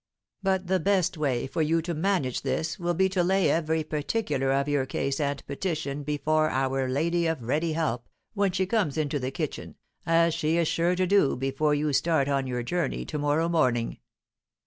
But the best way for you to manage this will be to lay every particular of your case and petition before our 'Lady of Ready Help,' when she comes into the kitchen, as she is sure to do before you start on your journey to morrow morning."